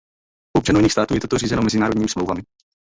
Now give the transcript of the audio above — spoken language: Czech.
U občanů jiných států je toto řízeno mezinárodními smlouvami.